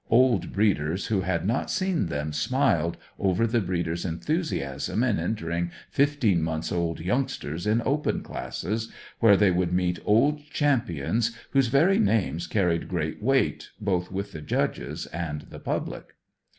Old breeders who had not seen them smiled over the breeder's enthusiasm in entering fifteen months old youngsters in Open classes, where they would meet old champions, whose very names carried great weight, both with the judges and the public.